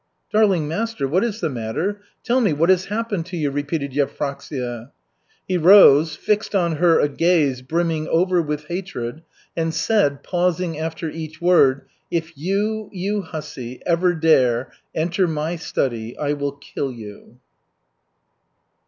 "Darling master, what is the matter? Tell me, what has happened to you?" repeated Yevpraksia. He rose, fixed on her a gaze brimming over with hatred, and said, pausing after each word: "If you, you hussy, ever dare enter my study I will kill you!"